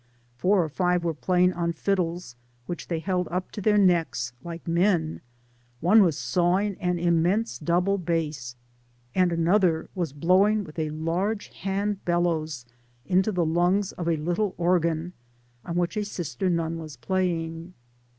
Four or five were playing on fiddles, which they held up to their necks like men— one was sawing an immense double bass, and another was blowing with a large hand bellows into the lungs of a little organ, on which a sister nun was flaying.